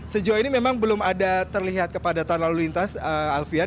sejauh ini memang belum ada terlihat kepadatan lalu lintas alfian